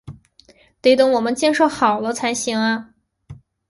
得等我们建设好了才行啊